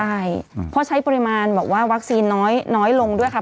ใช่เพราะใช้ปริมาณบอกว่าวัคซีนน้อยลงด้วยค่ะ